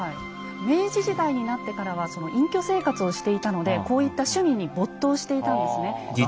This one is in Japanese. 明治時代になってからはその隠居生活をしていたのでこういった趣味に没頭していたんですね。